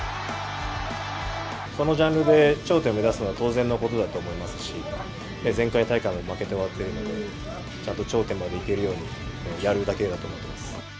そのジャンルで頂点を目指すのは当然のことだと思いますし、前回大会も負けて終わっているので、ちゃんと頂点まで行けるように、やるだけだと思ってます。